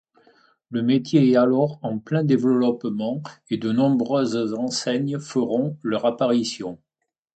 Le métier est alors en plein développement et de nombreuses enseignes feront leur apparition.